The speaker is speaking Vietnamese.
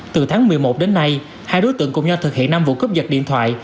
từ tháng một mươi một đến nay hai đối tượng cùng nhau thực hiện năm vụ cướp giật điện thoại